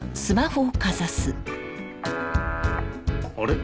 あれ？